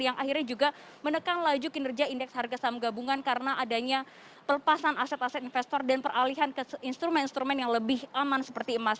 yang akhirnya juga menekan laju kinerja indeks harga saham gabungan karena adanya pelepasan aset aset investor dan peralihan ke instrumen instrumen yang lebih aman seperti emas